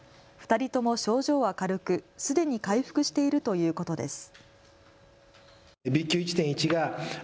２人とも症状は軽くすでに回復しているということです。